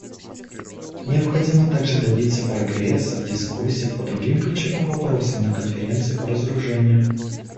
Необходимо также добиться прогресса в дискуссиях по другим ключевым вопросам на Конференции по разоружению.